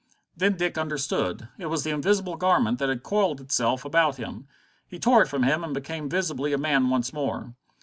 Then Dick understood. It was the invisible garment that had coiled itself about him. He tore it from him and became visibly a man once more.